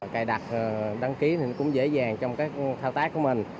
cài đặt đăng ký thì cũng dễ dàng trong các thao tác của mình